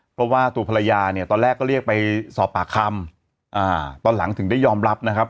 เพราะว่าตัวภรรยาเนี่ยตอนแรกก็เรียกไปสอบปากคำตอนหลังถึงได้ยอมรับนะครับ